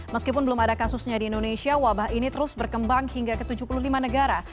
meskipun belum ada kasusnya di indonesia wabah ini terus berkembang hingga ke tujuh puluh lima negara